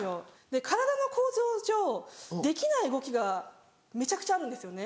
体の構造上できない動きがめちゃくちゃあるんですよね。